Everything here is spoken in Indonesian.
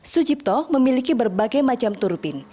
sucipto memiliki berbagai macam turbin